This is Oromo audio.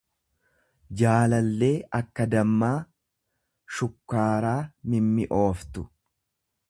jaalallee akka dammaa, shukkaaraa mimmi'ooftu.